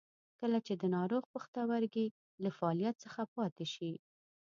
کله چې د ناروغ پښتورګي له فعالیت څخه پاتې شي.